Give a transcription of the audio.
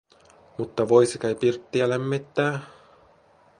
Mutta voisi kai pirttiä lämmittää?